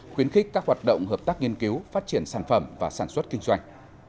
khuyến khích các hoạt động hợp tác nghiên cứu phát triển sản phẩm và sản xuất kinh doanh